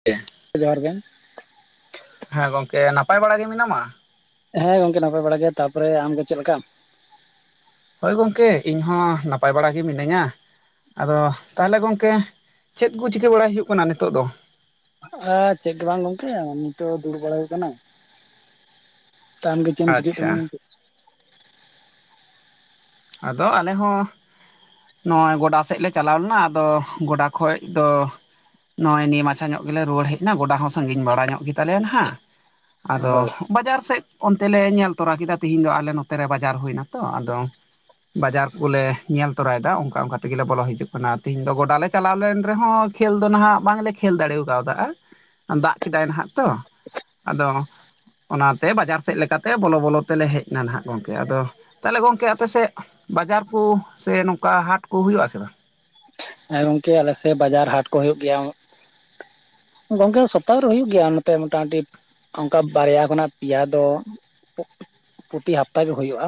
[unintelligible] ᱡᱚᱦᱟᱨ ᱜᱮ ᱦᱮᱸ ᱜᱚᱝᱠᱮ ᱱᱟᱯᱟᱭ ᱵᱟᱲᱟ ᱜᱮ ᱢᱮᱱᱟᱢᱟ ᱦᱮᱸ ᱜᱚᱝᱠᱮ ᱱᱟᱯᱟᱭ ᱵᱟᱲᱟ ᱜᱮᱭᱟ ᱛᱟᱯᱚᱨᱮ ᱟᱢᱜᱮ ᱪᱮᱫ ᱞᱮᱠᱟ ᱦᱳᱭ ᱜᱚᱝᱠᱮ ᱤᱧ ᱦᱚᱸ ᱱᱟᱯᱟᱭ ᱵᱟᱲᱟ ᱜᱮ ᱢᱤᱱᱟᱹᱧᱟ ᱟᱫᱚ ᱛᱟᱦᱚᱞᱮ ᱜᱚᱝᱠᱮ ᱪᱮᱫ ᱠᱚ ᱪᱤᱠᱟᱹ ᱵᱟᱲᱟᱭ ᱦᱩᱭᱩᱜ ᱠᱟᱱᱟ ᱱᱤᱛᱚᱜ ᱫᱚ ᱟᱻ ᱪᱮᱫ ᱜᱮ ᱵᱟᱝ ᱜᱚᱝᱠᱮ ᱱᱤᱛᱚᱜ ᱫᱩᱲᱩᱵ ᱵᱟᱲᱟ ᱦᱩᱭᱩᱜ ᱠᱟᱱᱟ ᱟᱢᱜᱮ ᱪᱮᱫ ᱮᱢ ᱪᱤᱠᱟᱹᱭᱮᱜ ᱟᱪᱪᱷᱟ ᱛᱟᱞᱟᱝ-ᱟ ᱜᱚᱝᱠᱮ ᱟᱫᱚ ᱟᱞᱮ ᱦᱚᱸ ᱱᱚᱜᱼᱚᱭ ᱜᱚᱰᱟ ᱥᱮᱫ ᱞᱮ ᱪᱟᱞᱟᱣ ᱞᱮᱱᱟ ᱟᱫᱚ ᱜᱚᱰᱟ ᱠᱷᱚᱡ ᱫᱚ ᱱᱚᱜᱼᱚᱭ ᱱᱤᱭᱟᱹ ᱢᱟᱪᱷᱟ ᱧᱚᱜ ᱜᱮᱞᱮ ᱨᱩᱣᱟᱹᱲ ᱦᱮᱡ ᱮᱱᱟ ᱜᱚᱰᱟ ᱦᱚᱸ ᱥᱟᱺᱜᱤᱧ ᱵᱟᱲᱟ ᱧᱚᱜ ᱜᱮ ᱛᱟᱞᱮᱭᱟ ᱱᱷᱟᱜ ᱟᱫᱚ ᱦᱳᱭ ᱵᱟᱡᱟᱨ ᱥᱮᱫ ᱚᱱᱛᱮ ᱞᱮ ᱧᱮᱞ ᱛᱚᱨᱟ ᱠᱮᱫᱟ ᱛᱤᱦᱤᱧ ᱫᱚ ᱟᱞᱮ ᱱᱚᱛᱮ ᱨᱮ ᱵᱟᱡᱟᱨ ᱦᱩᱭ ᱮᱱᱟ ᱛᱚ ᱟᱫᱚ ᱵᱟᱡᱟᱨ ᱠᱚᱞᱮ ᱧᱮᱞ ᱛᱚᱨᱟᱭᱮᱫᱟ ᱚᱱᱠᱟ ᱚᱱᱠᱟ ᱛᱮᱜᱮᱞᱮ ᱵᱚᱞᱚ ᱦᱤᱡᱩᱜ ᱠᱟᱱᱟ ᱛᱤᱦᱤᱧ ᱫᱚ ᱜᱚᱰᱟ ᱞᱮ ᱪᱟᱞᱟᱣ ᱞᱮᱱ ᱨᱮᱦᱚᱸ ᱠᱷᱮᱞ ᱫᱚ ᱱᱷᱟᱜ ᱵᱟᱝ ᱞᱮ ᱠᱷᱮᱞ ᱫᱟᱲᱮᱣᱟᱠᱟᱫᱟ ᱫᱟᱜ ᱠᱮᱫᱟᱭ ᱱᱷᱟᱜ ᱛᱚ ᱟᱫᱚᱻ ᱚᱱᱟᱛᱮ ᱵᱟᱡᱟᱨ ᱥᱮᱫ ᱞᱮᱠᱟᱛᱮ ᱵᱚᱞᱚ ᱵᱚᱞᱚ ᱛᱮᱞᱮ ᱦᱮᱡ ᱮᱱᱟ ᱱᱷᱟᱜ ᱜᱚᱢᱠᱮ ᱟᱫᱚ ᱛᱟᱦᱚᱞᱮ ᱜᱚᱝᱠᱮ ᱟᱯᱮ ᱥᱮᱫ ᱵᱟᱡᱟᱨ ᱠᱚ ᱥᱮ ᱱᱚᱝᱠᱟ ᱦᱟᱴ ᱠᱚ ᱦᱩᱭᱩᱜᱼᱟ ᱥᱮ ᱵᱟᱝ ᱦᱮᱸ ᱜᱚᱝᱠᱮ ᱟᱞᱮᱥᱮᱜ ᱵᱟᱡᱟᱨ ᱦᱟᱴ ᱠᱚ ᱦᱳᱭᱳᱜ ᱜᱮᱭᱟ ᱜᱚᱝᱠᱮ ᱥᱚᱯᱛᱟᱦᱚ ᱨᱮ ᱦᱩᱭᱩᱜ ᱜᱮᱭᱟ ᱱᱚᱛᱮ ᱢᱚᱴᱟ-ᱢᱩᱴᱤ ᱚᱱᱠᱟ ᱵᱟᱨᱭᱟ ᱠᱷᱚᱱᱟᱜ ᱯᱤᱭᱟ ᱫᱚ ᱯᱨᱚᱛᱤ ᱦᱟᱯᱛᱟᱜᱮ ᱦᱩᱭᱩᱜᱼᱟ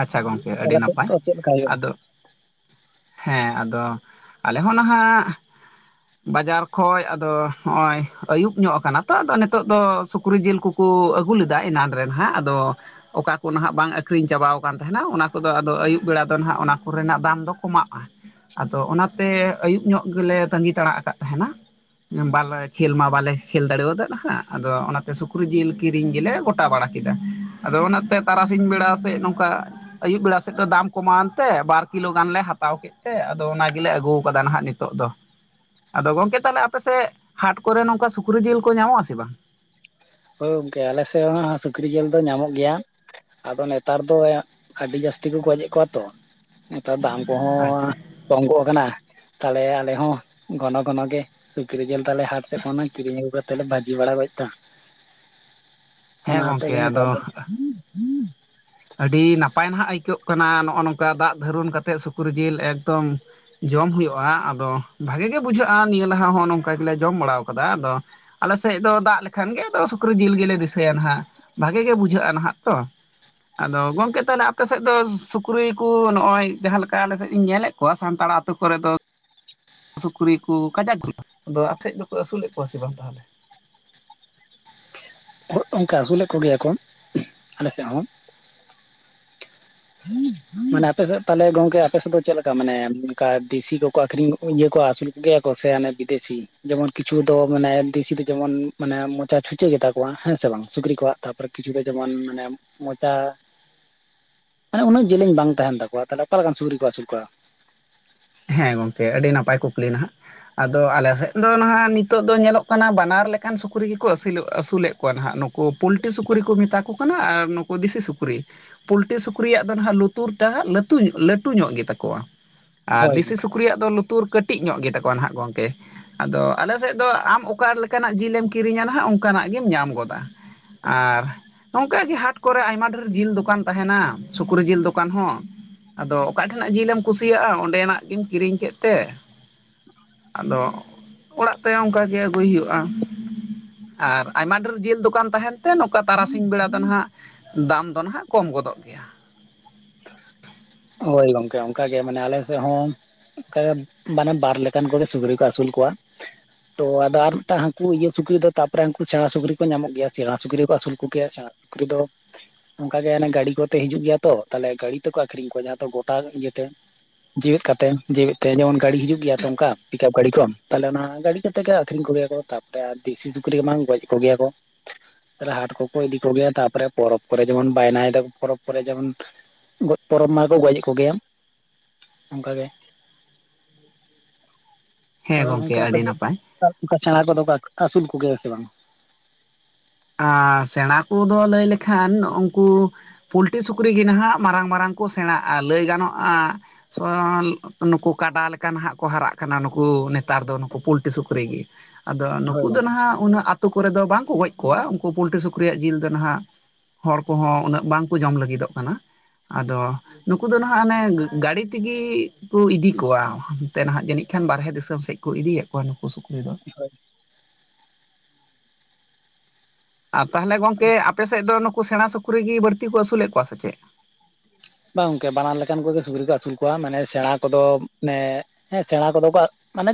ᱟᱪᱪᱷᱟ ᱜᱚᱢᱠᱮ ᱟᱹᱰᱤ ᱛᱟᱦᱚᱞᱮ ᱟᱯᱮ ᱱᱟᱯᱟᱭ ᱫᱚ ᱪᱮᱫ ᱞᱮᱠᱟ ᱦᱩᱭᱩᱜᱼᱟ ᱟᱫᱚ ᱦᱮᱸ ᱟᱫᱚ ᱟᱞᱮ ᱦᱚᱸ ᱱᱷᱟᱜ ᱵᱟᱡᱟᱨ ᱠᱷᱚᱡ ᱟᱫᱚ ᱦᱚᱸᱜ-ᱚᱭ ᱟᱹᱭᱩᱵ ᱧᱚᱜ ᱟᱠᱟᱱᱟ ᱛᱚ ᱟᱫᱚ ᱱᱤᱛᱚᱜ ᱫᱚ ᱥᱩᱠᱨᱤ ᱡᱤᱞ ᱠᱩ ᱠᱩ ᱟᱹᱜᱩ ᱞᱮᱫᱟ ᱮᱱᱟᱝ ᱨᱮ ᱦᱟᱸᱜ ᱟᱫᱚ ᱚᱱᱟ ᱦᱟᱸᱜ ᱵᱟᱝ ᱟᱹᱠᱷᱨᱤᱧ ᱪᱟᱵᱟᱣ ᱟᱠᱟᱱ ᱛᱟᱦᱮᱸᱱᱟ ᱚᱱᱟ ᱠᱚᱫᱚ ᱟᱫᱚ ᱟᱹᱭᱩᱵ ᱵᱮᱲᱟ ᱫᱚ ᱱᱷᱟᱜ ᱚᱱᱟ ᱠᱚᱨᱮᱱᱟᱜ ᱫᱟᱢ ᱫᱚ ᱠᱚᱢᱚᱜᱼᱟ ᱟᱫᱚ ᱚᱱᱟᱛᱮ ᱟᱹᱭᱩᱵ ᱧᱚᱜ ᱜᱮᱞᱮ ᱛᱟᱺᱜᱤ ᱛᱟᱲᱟᱜ ᱟᱠᱟᱫ ᱛᱟᱦᱮᱸᱱᱟ ᱵᱟᱞᱮ ᱠᱷᱮᱞ ᱢᱟ ᱵᱟᱞᱮ ᱠᱷᱮᱞ ᱫᱟᱲᱮᱣᱟᱫᱟ ᱦᱟᱸᱜ ᱟᱫᱚ ᱚᱱᱟᱛᱮ ᱥᱩᱠᱨᱤ ᱡᱤᱞ ᱠᱤᱨᱤᱧ ᱜᱮᱞᱮ ᱜᱚᱴᱟ ᱜᱚᱴᱟ ᱵᱟᱲᱟ ᱠᱮᱫᱟ ᱟᱫᱚ ᱚᱱᱟᱛᱮ ᱛᱟᱨᱟᱥᱤᱧ ᱵᱮᱲᱟ ᱥᱮᱫ ᱱᱚᱝᱠᱟ ᱟᱹᱭᱩᱵ ᱵᱮᱲᱟ ᱥᱮᱫ ᱫᱚ ᱫᱟᱢ ᱠᱚᱢᱟᱣ ᱮᱱᱛᱮ ᱵᱟᱨ ᱠᱤᱞᱳ ᱜᱟᱱᱞᱮ ᱦᱟᱛᱟᱣ ᱠᱮᱫᱟ ᱛᱮ ᱟᱫᱚ ᱚᱱᱟ ᱜᱮᱞᱮ ᱟᱹᱜᱩ ᱠᱟᱫᱟ ᱱᱟᱦᱟᱜ ᱱᱤᱛᱳᱜ ᱫᱚ ᱟᱫᱚ ᱜᱚᱝᱠᱮ ᱛᱟᱦᱚᱞᱮ ᱟᱯᱮᱥᱮᱫ ᱦᱟᱴ ᱠᱚᱨᱮ ᱱᱚᱝᱠᱟ ᱥᱩᱠᱨᱤ ᱡᱤᱞ ᱠᱚ ᱧᱟᱢᱚᱜ ᱟᱥᱮ ᱵᱟᱝ ᱦᱳᱭ ᱜᱚᱝᱠᱮ ᱟᱞᱮᱥᱮᱫ ᱦᱚᱸ ᱥᱩᱠᱨᱤ ᱡᱤᱞ ᱫᱚ ᱧᱟᱢᱚᱜ ᱜᱮᱭᱟ ᱟᱫᱚ ᱱᱮᱛᱟᱨ ᱫᱚ ᱭᱟ ᱟᱹᱰᱤ ᱡᱟᱹᱥᱛᱤ ᱠᱚ ᱜᱚᱡᱮᱫ ᱠᱚᱣᱟ ᱛᱚ ᱱᱮᱛᱟᱨ ᱫᱟᱢ ᱠᱚᱦᱚᱸ ᱟᱪᱪᱷᱟ ᱠᱚᱢ ᱜᱚᱜ ᱠᱟᱱᱟ ᱛᱟᱦᱚᱞᱮ ᱟᱞᱮ ᱦᱚᱸ ᱜᱷᱚᱱᱚ ᱜᱷᱚᱱᱚ ᱜᱮ ᱥᱩᱠᱨᱤ ᱡᱤᱞ ᱛᱟᱞᱮ ᱦᱟᱴ ᱥᱮᱫ ᱠᱷᱚᱱ ᱠᱤᱨᱤᱧ ᱟᱹᱜᱩ ᱠᱟᱛᱮᱜ ᱞᱮ ᱵᱷᱟᱹᱡᱤ ᱵᱟᱲᱟ ᱜᱚᱫ ᱫᱟ ᱦᱮᱸ ᱚᱱᱟᱛᱮ ᱜᱚᱝᱠᱮ ᱜᱮ ᱱᱮᱛᱟᱨ ᱟᱫᱚ ᱫᱚ ᱟᱹᱰᱤ ᱱᱟᱯᱟᱭ ᱱᱟᱦᱟᱜ ᱟᱹᱭᱠᱟᱹᱜ ᱠᱟᱱᱟ ᱱᱚᱜᱼᱚ ᱱᱚᱝᱠᱟ ᱫᱟᱜ ᱫᱷᱟᱹᱨᱩᱱ ᱠᱟᱛᱮᱫ ᱥᱩᱠᱨᱤ ᱡᱤᱞ ᱮᱠᱫᱚᱢ ᱡᱚᱢ ᱦᱩᱭᱩᱜᱼᱟ ᱟᱫᱚ ᱵᱷᱟᱜᱮ ᱜᱮ ᱵᱩᱡᱷᱟᱹᱜᱼᱟ ᱱᱤᱭᱟᱹ ᱞᱟᱦᱟ ᱦᱚᱸ ᱱᱚᱝᱠᱟ ᱜᱮᱞᱮ ᱡᱚᱢ ᱵᱟᱲᱟᱣ ᱠᱟᱫᱟ ᱟᱫᱚ ᱟᱞᱮ ᱥᱮᱫ ᱫᱚ ᱫᱟᱜ ᱞᱮᱠᱷᱟᱱ ᱜᱮ ᱟᱫᱚ ᱥᱩᱠᱨᱤ ᱡᱤᱞ ᱜᱮᱞᱮ ᱫᱤᱥᱟᱹᱭᱟ ᱱᱟᱦᱟᱜ ᱵᱷᱟᱜᱮ ᱜᱮ ᱵᱩᱡᱷᱟᱹᱜᱼᱟ ᱱᱟᱦᱟᱜ ᱛᱚ ᱟᱫᱚ ᱜᱚᱝᱠᱮ ᱛᱟᱦᱚᱞᱮ ᱟᱯᱮ ᱥᱮᱫ ᱫᱚ ᱥᱩᱠᱨᱤ ᱠᱩ ᱱᱚᱜᱼᱚᱭ ᱡᱟᱦᱟᱸ ᱞᱮᱠᱟ ᱟᱞᱮ ᱥᱮᱫ ᱤᱧ ᱧᱮᱞᱮᱫ ᱠᱚᱣᱟ ᱥᱟᱱᱛᱟᱲ ᱟᱹᱛᱳ ᱠᱚᱨᱮ ᱫᱚ ᱥᱩᱠᱨᱤ ᱠᱚ ᱠᱟᱡᱟᱠ [unintelligible] ᱟᱫᱚ ᱟᱯᱮ ᱥᱮᱫ ᱫᱚᱠᱚ ᱟᱹᱥᱩᱞᱮᱫ ᱠᱚᱣᱟ ᱥᱮ ᱵᱟᱝ ᱛᱟᱦᱚᱞᱮ [unintelligible] ᱚᱱᱠᱟ ᱟᱹᱥᱩᱞᱮᱫ ᱠᱚᱜᱮᱭᱟ ᱠᱚ ᱟᱞᱮᱥᱮᱫ ᱦᱚᱸ ᱢᱟᱱᱮ ᱟᱯᱮᱥᱮᱫ ᱛᱟᱦᱞᱮ ᱜᱚᱝᱠᱮ ᱟᱯᱮᱥᱮᱫ ᱫᱚ ᱪᱮᱫᱞᱮᱠᱟ ᱢᱟᱱᱮ ᱚᱱᱠᱟ ᱫᱤᱥᱤ ᱠᱚᱠᱚ ᱟᱠᱷᱨᱤᱧ ᱤᱭᱟᱹ ᱠᱚ ᱟᱹᱥᱩᱞ ᱠᱚᱜᱮᱭᱟ ᱠᱚ ᱥᱮ ᱦᱟᱱᱮ ᱵᱤᱫᱮᱥᱤ ᱡᱮᱢᱚᱱ ᱠᱤᱪᱷᱩ ᱫᱚ ᱢᱟᱱᱮ ᱫᱮᱥᱤ ᱫᱚ ᱡᱮᱢᱚᱱ ᱢᱟᱱᱮ ᱢᱚᱪᱟ ᱪᱷᱩᱸᱪᱟᱹ ᱜᱮᱛᱟᱠᱚᱣᱟ ᱦᱮᱸ ᱥᱮ ᱵᱟᱝ ᱥᱩᱠᱨᱤ ᱠᱚᱣᱟᱜ ᱛᱟᱯᱚᱨᱮ ᱠᱤᱪᱷᱩ ᱫᱚ ᱡᱮᱢᱚᱱ ᱢᱟᱱᱮ ᱢᱚᱪᱟ ᱢᱟᱱᱮ ᱩᱱᱟᱹᱜ ᱡᱮᱞᱮᱧ ᱵᱟᱝ ᱛᱟᱦᱮᱱ ᱛᱟᱠᱚᱣᱟ ᱛᱟᱦᱞᱮ ᱚᱠᱟᱞᱮᱠᱟ ᱥᱩᱠᱨᱤ ᱠᱚ ᱟᱹᱥᱩᱞ ᱠᱚᱣᱟ ᱦᱮᱸ ᱜᱚᱝᱠᱮ ᱟᱹᱰᱤ ᱱᱟᱯᱟᱭ ᱠᱩᱠᱞᱤ ᱱᱟᱦᱟᱜ ᱟᱫᱚ ᱟᱞᱮ ᱥᱮᱫ ᱫᱚ ᱱᱟᱦᱟᱜ ᱱᱤᱛᱚᱜ ᱫᱚ ᱧᱮᱞᱚᱜ ᱠᱟᱱᱟ ᱵᱟᱱᱟᱨ ᱞᱮᱠᱟᱱ ᱥᱩᱠᱨᱤ ᱜᱮᱠᱚ ᱟᱥᱤᱞ ᱟᱹᱥᱩᱞᱮᱫ ᱠᱚᱣᱟ ᱱᱟᱦᱟᱜ ᱱᱩᱠᱩ ᱯᱩᱞᱴᱤ ᱥᱩᱠᱨᱤ ᱠᱚ ᱢᱮᱛᱟ ᱠᱚ ᱠᱟᱱᱟ ᱟᱨ ᱱᱩᱠᱩ ᱫᱤᱥᱤ ᱥᱩᱠᱨᱤ ᱯᱩᱞᱴᱤ ᱥᱩᱠᱨᱤᱭᱟᱜ ᱫᱚ ᱱᱟᱦᱟᱜ ᱞᱩᱛᱩᱨᱴᱟᱜ ᱞᱟᱹᱛᱩ ᱞᱟᱹᱴᱩ ᱧᱚᱜ ᱞᱟᱹᱴᱩ ᱧᱚᱜ ᱜᱮᱛᱟ ᱠᱚᱣᱟ ᱟᱨ ᱦᱳᱭ ᱫᱤᱥᱤ ᱩᱠᱨᱤᱭᱟᱜ ᱫᱚ ᱞᱩᱛᱩᱨ ᱠᱟᱹᱴᱤᱡ ᱧᱚᱜ ᱜᱮᱛᱟ ᱠᱚᱣᱟ ᱱᱟᱦᱟᱸᱜ ᱜᱚᱢᱠᱮ ᱟᱫᱚ ᱟᱞᱮ ᱥᱮᱫ ᱫᱚ ᱟᱢ ᱚᱠᱟ ᱞᱮᱠᱟᱱᱟᱜ ᱡᱤᱞᱮᱢ ᱠᱤᱨᱤᱧᱟ ᱱᱟᱦᱟᱸᱜ ᱚᱱᱠᱟᱱᱟᱜ ᱜᱮᱢ ᱧᱟᱢ ᱜᱚᱫᱟ ᱟᱨ ᱱᱚᱝᱠᱟ ᱜᱮ ᱦᱟᱴ ᱠᱚᱨᱮ ᱟᱭᱢᱟ ᱰᱷᱮᱨ ᱡᱤᱞ ᱫᱚᱠᱟᱱ ᱛᱟᱦᱮᱱᱟ ᱥᱩᱠᱨᱤ ᱡᱤᱞ ᱫᱚᱠᱟᱱ ᱦᱚᱸ ᱟᱫᱚ ᱚᱠᱟ ᱴᱷᱮᱱᱟᱜ ᱡᱤᱞᱮᱢ ᱠᱩᱥᱤᱭᱟᱜᱼᱟ ᱚᱸᱰᱮᱱᱟᱜ ᱜᱮᱢ ᱠᱤᱨᱤᱧ ᱠᱮᱫ ᱛᱮ ᱟᱫᱚ ᱚᱲᱟᱜ ᱛᱮ ᱚᱱᱠᱟᱜᱮ ᱟᱹᱜᱩᱭ ᱦᱩᱭᱩᱜᱼᱟ ᱟᱨ ᱟᱭᱢᱟ ᱰᱷᱮᱨ ᱡᱮᱞ ᱫᱚᱠᱟᱱ ᱛᱟᱦᱮᱱ ᱛᱮ ᱱᱚᱝᱠᱟ ᱛᱟᱨᱟᱥᱤᱧ ᱵᱮᱲᱟ ᱫᱚ ᱱᱟᱦᱟᱸᱜ ᱫᱟᱢ ᱫᱚ ᱱᱟᱦᱟᱜ ᱠᱚᱢ ᱜᱚᱫᱚᱜ ᱜᱮᱭᱟ ᱦᱳᱭ ᱜᱚᱝᱠᱮ ᱚᱱᱠᱟᱜᱮ ᱢᱟᱱᱮ ᱟᱞᱮ ᱥᱮᱫ ᱦᱚᱸ ᱠᱟᱨᱚᱱ ᱢᱟᱱᱮ ᱵᱟᱨ ᱞᱮᱠᱟᱱ ᱠᱚᱜᱮ ᱥᱩᱠᱨᱤ ᱠᱚ ᱟᱹᱥᱩᱞ ᱠᱚᱣᱟ ᱛᱚ ᱟᱫᱚ ᱟᱨ ᱢᱤᱫᱴᱟᱝ ᱦᱟᱹᱠᱩ ᱤᱭᱟᱹ ᱥᱩᱠᱨᱤ ᱫᱚ ᱛᱟᱯᱚᱨᱮ ᱩᱱᱠᱩ ᱥᱮᱬᱟ ᱥᱩᱠᱨᱤ ᱠᱚ ᱧᱟᱢᱚᱜ ᱜᱮᱭᱟ ᱥᱮᱬᱟ ᱥᱩᱠᱨᱤ ᱠᱚ ᱟᱹᱥᱩᱞ ᱠᱚᱮᱭᱟ ᱥᱮᱬᱟ ᱥᱩᱠᱨᱤ ᱫᱚ ᱚᱱᱠᱟ ᱜᱮ ᱚᱱᱮ ᱜᱟᱹᱰᱤ ᱠᱚᱛᱮ ᱦᱤᱡᱩᱜ ᱜᱮᱭᱟ ᱛᱚ ᱛᱟᱦᱞᱮ ᱜᱟᱹᱰᱤ ᱛᱮᱠᱚ ᱟᱠᱷᱨᱤᱧ ᱠᱚᱣᱟ ᱡᱟᱦᱟᱸ ᱛᱚ ᱜᱚᱴᱟ ᱤᱭᱟᱹᱛᱮ ᱡᱮᱣᱮᱫ ᱠᱟᱛᱮ ᱡᱮᱣᱮᱫ ᱛᱮ ᱡᱮᱢᱚᱱ ᱜᱟᱹᱰᱤ ᱦᱤᱡᱩᱜ ᱜᱮᱭᱟ ᱛᱚ ᱚᱱᱠᱟ ᱯᱤᱠᱟᱯ ᱜᱟᱹᱰᱤ ᱠᱚ ᱛᱟᱦᱚᱞᱮ ᱚᱱᱟ ᱜᱟᱹᱰᱤ ᱠᱟᱛᱮᱜᱮ ᱟᱠᱷᱨᱤᱧ ᱠᱚᱭᱟᱠᱚ ᱛᱟᱯᱚᱨᱮ ᱟᱨ ᱫᱮᱥᱤ ᱥᱩᱠᱨᱤ ᱮᱢᱟᱱ ᱜᱚᱡ ᱠᱚᱜᱮᱭᱟ ᱠᱚ ᱦᱟᱴ ᱠᱚᱠᱚ ᱤᱫᱤ ᱠᱚᱜᱮᱭᱟ ᱛᱟᱨᱯᱚᱨ ᱯᱚᱨᱚᱵᱽ ᱠᱚᱨᱮ ᱡᱮᱢᱚᱱ ᱵᱟᱭᱱᱟ ᱮᱫᱟᱠᱚ ᱯᱚᱨᱚᱵᱽ ᱠᱚᱨᱮ ᱡᱮᱢᱚᱱ ᱜᱚᱡ ᱯᱚᱨᱚᱵᱽ ᱢᱟᱠᱚ ᱜᱳᱡ-ᱮᱜ ᱠᱚᱜᱮᱭᱟ ᱚᱝᱠᱟᱜᱮ ᱦᱮᱸ ᱛᱟᱯᱚᱨ ᱜᱚᱢᱠᱮ ᱜᱚᱝᱠᱮ ᱟᱯᱮ ᱟᱹᱰᱤ ᱥᱮᱫ ᱱᱟᱯᱟᱭ [inaudible] ᱥᱮᱬᱟ ᱠᱚᱫᱚ ᱠᱚ ᱟᱹᱥᱩᱞ ᱠᱚᱜᱮᱭᱟ ᱥᱮ ᱵᱟᱝ? ᱟᱨ ᱥᱮᱬᱟ ᱠᱚᱫᱚ ᱞᱟᱹᱭ ᱞᱮᱠᱷᱟᱱ ᱩᱱᱠᱩ ᱯᱩᱞᱴᱨᱤ ᱥᱩᱠᱨᱤ ᱜᱮ ᱱᱟᱦᱟᱜ ᱢᱟᱨᱟᱝ ᱢᱟᱨᱟᱝ ᱠᱚ ᱥᱮᱬᱟᱜᱼᱟ ᱞᱟᱹᱭ ᱜᱟᱱᱚᱜᱼᱟ ᱥᱚᱭᱚᱱ ᱱᱩᱠᱩ ᱠᱟᱰᱟ ᱞᱮᱠᱟ ᱱᱟᱦᱟᱸᱜ ᱠᱚ ᱦᱟᱨᱟᱜ ᱠᱟᱱᱟ ᱱᱩᱠᱩ ᱱᱮᱛᱟᱨ ᱫᱚ ᱱᱩᱠᱩ ᱯᱳᱞᱴᱤ ᱥᱩᱠᱨᱤ ᱜᱮ ᱟᱫᱚ ᱱᱩᱠᱩ ᱦᱳᱭ ᱫᱚ ᱜᱚᱝᱠᱮ ᱱᱟᱦᱟᱜ ᱩᱱᱟᱹᱜ ᱟᱛᱳ ᱠᱚᱨᱮᱫ ᱫᱚ ᱵᱟᱝᱠᱚ ᱜᱚᱡ ᱠᱚᱣᱟ ᱩᱱᱠᱩ ᱯᱳᱞᱴᱤ ᱥᱩᱠᱨᱤᱭᱟᱜ ᱡᱤᱞ ᱫᱚ ᱱᱟᱦᱟᱜ ᱦᱚᱲ ᱠᱚᱦᱚᱸ ᱩᱱᱟᱹᱜ ᱵᱟᱝᱠᱚ ᱡᱚᱢ ᱞᱟᱹᱜᱤᱫᱚᱜ ᱠᱟᱱᱟ ᱟᱫᱚ ᱱᱩᱠᱩ ᱫᱚ ᱱᱟᱦᱟᱜ ᱚᱱᱮ ᱜᱟᱹᱲᱤ ᱛᱮᱜᱮ ᱠᱚ ᱤᱫᱤ ᱠᱚᱣᱟ ᱦᱟᱱᱛᱮ ᱱᱟᱦᱟᱜ ᱡᱟᱹᱱᱤᱡ ᱠᱷᱟᱱ ᱵᱟᱦᱮᱨᱮ ᱫᱤᱥᱟᱹᱢ ᱥᱮᱫ ᱠᱚ ᱤᱫᱤᱭᱮᱫ ᱠᱚᱣᱟ ᱱᱩᱠᱩ ᱥᱩᱠᱨᱤ ᱫᱚ ᱦᱳᱭ ᱟᱨ ᱛᱟᱦᱚᱞᱮ ᱜᱚᱝᱠᱮ ᱟᱯᱮ ᱥᱮᱫ ᱫᱚ ᱱᱩᱠᱩ ᱥᱮᱬᱟ ᱥᱩᱠᱨᱤᱜᱤ ᱵᱟᱹᱲᱛᱤ ᱠᱚ ᱟᱹᱥᱩᱞᱮᱫ ᱠᱚᱣᱟ ᱥᱮ ᱪᱮᱫ? ᱵᱟᱝ ᱜᱚᱝᱠᱮ ᱵᱟᱱᱟᱨ ᱞᱮᱠᱟᱱ ᱠᱚᱜᱮ ᱥᱩᱠᱨᱤ ᱠᱚ ᱟᱹᱥᱩᱞ ᱠᱚᱣᱟ ᱢᱟᱱᱮ ᱥᱮᱬᱟ ᱠᱚᱫᱚ ᱢᱟᱱᱮ ᱦᱮᱸ ᱥᱮᱬᱟ ᱠᱚᱫᱚ ᱠᱚ ᱢᱟᱱᱮ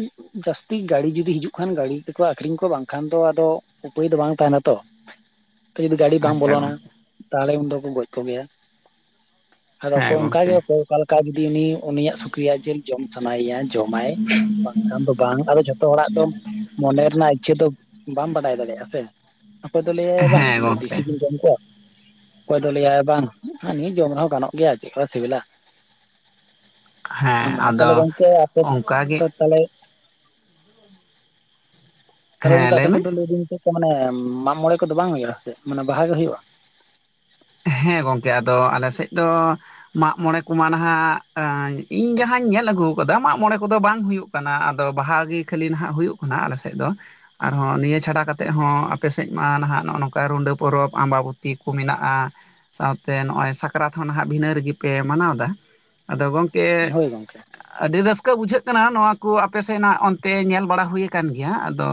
ᱡᱟᱹᱥᱛᱤ ᱜᱟᱹᱲᱤ ᱡᱩᱚᱫᱤ ᱦᱤᱡᱩᱜ ᱠᱷᱟᱱ ᱜᱟᱹᱲᱤ ᱛᱮᱠᱚ ᱟᱠᱷᱨᱤᱧ ᱠᱚᱣᱟ ᱵᱟᱝᱠᱷᱟᱱ ᱫᱚ ᱟᱫᱚ ᱩᱯᱟᱹᱭ ᱫᱚ ᱵᱟᱝ ᱛᱟᱦᱮᱱᱟ ᱛᱚ ᱛᱮ ᱡᱩᱫᱤ ᱜᱟᱹᱰᱤ ᱵᱟᱝ ᱟᱪᱪᱷᱟ ᱵᱚᱞᱚᱱᱟ ᱜᱚᱝᱠᱮ ᱛᱟᱦᱞᱮ ᱩᱱ ᱫᱚᱠᱚ ᱜᱚᱡ ᱠᱚ ᱜᱮᱭᱟ ᱟᱨ ᱦᱮᱸ ᱚᱠᱚᱭ ᱚᱝᱠᱟᱜᱮ ᱜᱚᱝᱠᱮ ᱚᱠᱚᱭ ᱚᱠᱟ ᱞᱮᱠᱟ ᱡᱫᱤ ᱩᱱᱤ ᱩᱱᱤᱭᱟᱜ ᱥᱩᱠᱨᱤᱭᱟᱜ ᱡᱤᱞ ᱡᱚᱢ ᱥᱟᱱᱟᱭᱮᱭᱟ ᱡᱚᱢᱟᱭ ᱵᱟᱝᱠᱷᱟᱱ ᱫᱚ ᱵᱟᱝ ᱟᱫᱚ ᱡᱷᱚᱛᱚ ᱦᱚᱲᱟᱜ ᱫᱚ ᱢᱚᱱᱮ ᱨᱮᱱᱟᱜ ᱤᱪᱪᱷᱟᱹ ᱫᱚ ᱵᱟᱢ ᱵᱟᱰᱟᱭ ᱫᱟᱲᱮᱭᱟᱜᱼᱟ ᱥᱮ ᱚᱠᱚᱭ ᱫᱚ ᱞᱟᱹᱭᱟᱭ ᱵᱟᱝ ᱦᱮᱸ ᱤᱧᱫᱚ ᱜᱚᱝᱠᱮ ᱫᱮᱥᱤ ᱜᱮᱧ ᱡᱚᱢ ᱠᱚᱣᱟ ᱚᱠᱚᱭ ᱫᱚ ᱞᱟᱹᱭᱟᱭ ᱵᱟᱝ ᱱᱤᱭᱟᱹ ᱡᱚᱢ ᱨᱮᱦᱚᱸ ᱜᱟᱱᱚᱜ ᱜᱮᱭᱟ ᱪᱮᱫ ᱠᱟ ᱥᱤᱵᱤᱞᱟ ᱦᱮᱸ ᱛᱟᱞᱦᱮ ᱟᱫᱚ ᱜᱚᱝᱠᱮ ᱟᱯᱮᱥᱮᱫ ᱛᱚ ᱚᱱᱠᱟᱜᱮ ᱛᱟᱞᱮ ᱛᱟᱦᱮ ᱦᱮᱸ ᱜᱚᱢᱠᱮ ᱞᱟᱹᱭ ᱟᱯᱮ ᱢᱮ ᱥᱮᱫ ᱫᱚ ᱞᱟᱹᱭᱟᱫᱤᱧ ᱪᱮᱫ ᱠᱚ ᱢᱟᱱᱮ ᱢᱟᱜᱽ ᱢᱚᱬᱮ ᱠᱚᱫᱚ ᱵᱟᱝ ᱦᱩᱭᱩᱜᱼᱟ? ᱥᱮ ᱢᱟᱱᱮ ᱵᱟᱦᱟ ᱜᱮ ᱦᱩᱭᱩᱜᱼᱟ ᱦᱮᱸ ᱜᱚᱢᱠᱮ ᱟᱫᱚ ᱟᱞᱮ ᱥᱮᱫ ᱫᱚ ᱢᱟᱜᱽ ᱢᱚᱬᱮ ᱠᱚᱢᱟ ᱱᱟᱦᱟᱜ ᱤᱧ ᱡᱟᱦᱟᱸᱧ ᱧᱮᱞ ᱟᱹᱜᱩ ᱠᱟᱫᱟ ᱢᱟᱜᱽ ᱢᱟᱬᱮ ᱠᱚᱫᱚ ᱵᱟᱝ ᱦᱩᱭᱩᱜ ᱠᱟᱱᱟ ᱟᱫᱚ ᱵᱟᱦᱟ ᱜᱮ ᱠᱷᱟᱹᱞᱤ ᱱᱷᱟᱜ ᱦᱩᱭᱩᱜ ᱠᱟᱱᱟ ᱟᱞᱮ ᱥᱮᱫ ᱫᱚ ᱟᱨᱦᱚᱸ ᱱᱤᱭᱟᱹ ᱪᱷᱟᱰᱟ ᱠᱟᱛᱮᱜ ᱦᱚᱸ ᱟᱯᱮᱥᱮᱡ ᱢᱟ ᱱᱟᱦᱟᱜ ᱱᱚᱜᱼᱚ ᱱᱚᱝᱠᱟ ᱨᱩᱰᱟᱹ ᱯᱚᱨᱚᱵᱽ ᱟᱢᱵᱟᱵᱩᱛᱤ ᱠᱚ ᱢᱮᱱᱟᱜᱼᱟ ᱥᱟᱶᱛᱮ ᱱᱚᱜᱼᱚᱭ ᱥᱟᱠᱨᱟᱛ ᱦᱚᱸ ᱱᱟᱦᱟᱜ ᱵᱷᱤᱱᱟᱹ ᱨᱤᱜᱤᱯᱮ ᱢᱟᱱᱟᱣᱫᱟ ᱟᱫᱚ ᱜᱚᱝᱠᱮ ᱦᱳᱭ ᱜᱚᱝᱠᱮ ᱟᱹᱰᱤ ᱨᱟᱹᱥᱠᱟᱹ ᱵᱩᱡᱷᱟᱹᱜ ᱠᱟᱱᱟ ᱱᱚᱣᱟ ᱠᱚ ᱟᱯᱮ ᱥᱮᱱᱟᱜ ᱚᱱᱛᱮ ᱧᱮᱞ ᱵᱟᱲᱟ ᱦᱩᱭ ᱠᱟᱱ ᱜᱮᱭᱟ ᱟᱫᱚ